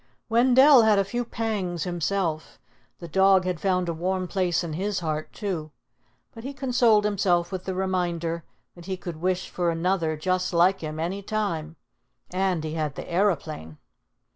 Wendell had a few pangs himself. The dog had found a warm place in his heart too. But he consoled himself with the reminder that he could wish for another just like him any time. And he had the aeroplane.